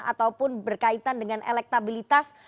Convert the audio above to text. ataupun berkaitan dengan elektabilitas